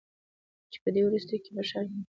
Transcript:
چي په دې وروستیو کي په ښار کي د خوراکي